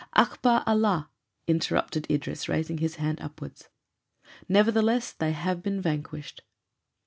"Akbar Allah!" interrupted Idris, raising his hands upwards. "Nevertheless, they have been vanquished."